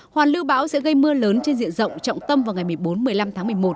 hoàn lưu bão sẽ gây mưa lớn trên diện rộng trọng tâm vào ngày một mươi bốn một mươi năm tháng một mươi một